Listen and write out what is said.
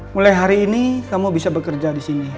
mulai hari ini kamu bisa bekerja di sini